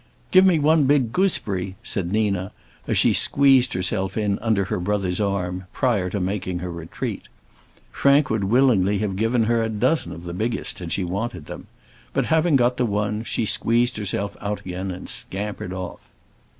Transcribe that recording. "Give me one big gooseberry," said Nina, as she squeezed herself in under her brother's arm, prior to making her retreat. Frank would willingly have given her a dozen of the biggest, had she wanted them; but having got the one, she squeezed herself out again and scampered off.